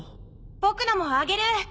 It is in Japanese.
僕のもあげる！